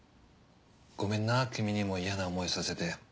ごめんな君にも嫌な思いさせて。